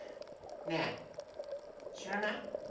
ねえしらない？